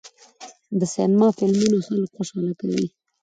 د سینما فلمونه خلک خوشحاله کوي.